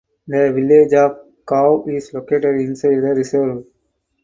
The village of Kaw is located inside the reserve.